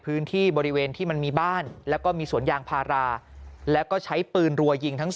พื้นที่บริเวณที่มันมีบ้านแล้วก็มีสวนยางพาราแล้วก็ใช้ปืนรัวยิงทั้ง